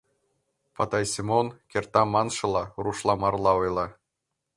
— Патай Семон, кертам маншыла, рушла-марла ойла.